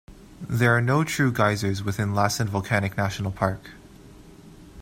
There are no true geysers within Lassen Volcanic National Park.